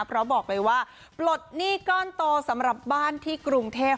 เพราะบอกเลยว่าปลดหนี้ก้อนโตสำหรับบ้านที่กรุงเทพ